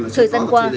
thời gian qua